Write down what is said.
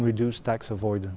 và giảm bỏ pháp luật